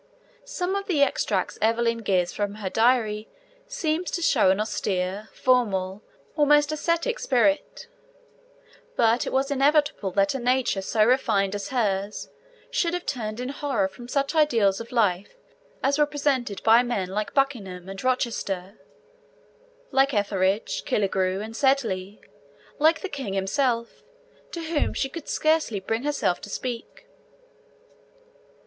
Some of the extracts Evelyn gives from her Diary seem to show an austere, formal, almost ascetic spirit; but it was inevitable that a nature so refined as hers should have turned in horror from such ideals of life as were presented by men like Buckingham and Rochester, like Etheridge, Killigrew, and Sedley, like the King himself, to whom she could scarcely bring herself to speak.